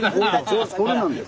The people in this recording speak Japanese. それなんだよ。